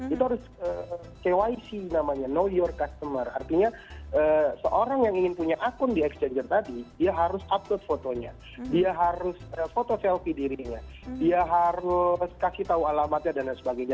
itu harus kyc namanya know your customer artinya seorang yang ingin punya akun di exchanger tadi dia harus upload fotonya dia harus foto selfie dirinya dia harus kasih tahu alamatnya dan lain sebagainya